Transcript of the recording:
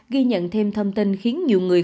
ghi nhận thêm thông tin khiến nhiều người